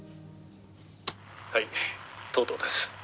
「はい藤堂です」